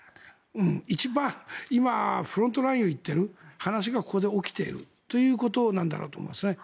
一番今、フロントラインを行っている話がここで起きているということなんだろうと思いますね。